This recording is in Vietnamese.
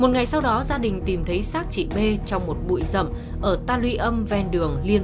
một ngày sau đó gia đình tìm thấy sát chìnhycz trọng một bụi rậm ở tai luy âmhyun đường liên